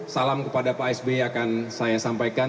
salam kepada pak asb yang akan saya sampaikan